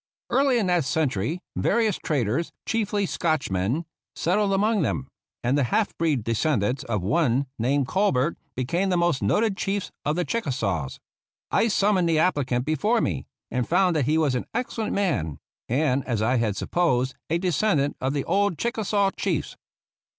Early in that century various traders, chiefly Scotchmen, settled among them, and the half breed descendants of one named Colbert became the most noted chiefs of the Chickasaws. I summoned the applicant before me, and found that he was an excellent man, and, as I had supposed, a descendant of the old Chickasaw chiefs.